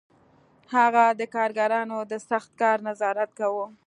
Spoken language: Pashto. هغه د کارګرانو د سخت کار نظارت کاوه